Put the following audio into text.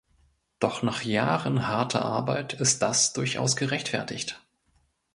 Doch nach Jahren harter Arbeit ist das durchaus gerechtfertigt.